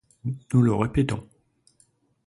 Nous le répétons.